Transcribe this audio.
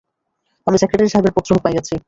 আমি সেক্রেটারী সাহেবের পত্র পাইয়াছি।